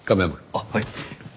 あっはい。